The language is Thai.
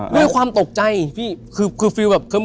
ด้วยความตกใจพี่คือฟิลแบบ